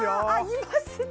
いますね。